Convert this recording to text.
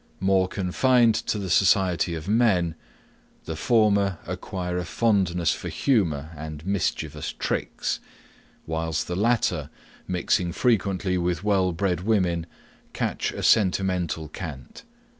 More confined to the society of men, the former acquire a fondness for humour and mischievous tricks; whilst the latter, mixing frequently with well bred women, catch a sentimental cant.